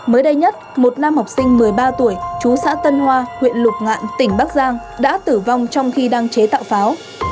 mới đây nhất một nam học sinh một mươi ba tuổi chú xã tân hoa huyện lục ngạn tỉnh bắc giang đã tử vong trong khi đang chế tạo pháo